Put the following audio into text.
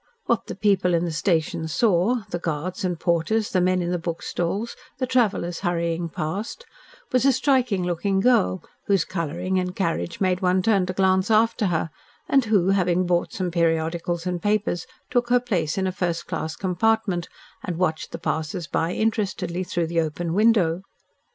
What the people in the station saw, the guards and porters, the men in the book stalls, the travellers hurrying past, was a striking looking girl, whose colouring and carriage made one turn to glance after her, and who, having bought some periodicals and papers, took her place in a first class compartment and watched the passersby interestedly through the open window.